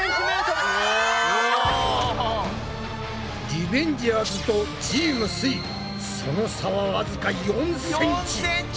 リベンジャーズとチームすイその差はわずか４ｃｍ。